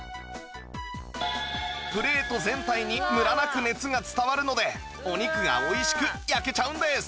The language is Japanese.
プレート全体にムラなく熱が伝わるのでお肉が美味しく焼けちゃうんです